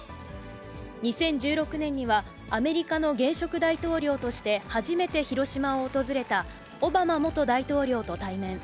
２０１６年には、アメリカの現職大統領として初めて広島を訪れたオバマ元大統領と対面。